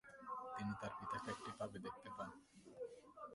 তিনি তার পিতাকে একটি পাবে দেখতে পান।